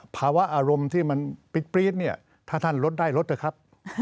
ภาวะอารมณ์ที่มันปรี๊ดเนี่ยถ้าท่านลดได้ลดเถอะครับ